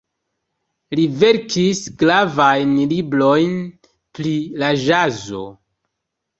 Li verkis gravajn librojn pri la ĵazo.